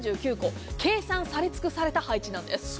計算しつくされた配置なんです。